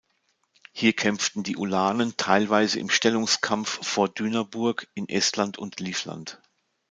Hier kämpften die Ulanen teilweise im Stellungskampf vor Dünaburg, in Estland und Livland.